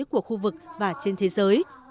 của khu vực và trên thế giới